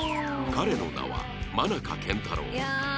彼の名は真中健太郎